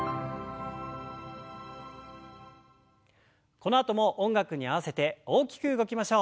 このあとも音楽に合わせて大きく動きましょう。